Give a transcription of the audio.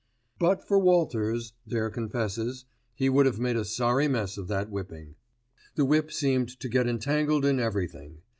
But for Walters, Dare confesses, he would have made a sorry mess of that whipping. The whip seemed to get entangled in everything.